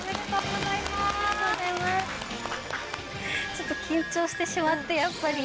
ちょっと緊張してしまってやっぱり。